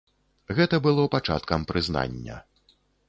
Гэта было пачаткам прызнання.